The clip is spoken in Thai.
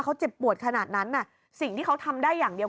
เขาเจ็บปวดขนาดนั้นน่ะสิ่งที่เขาทำได้อย่างเดียว